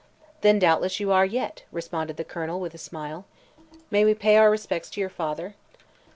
"Then doubtless you are yet," responded the Colonel, with a smile. "May we pay our respects to your father?"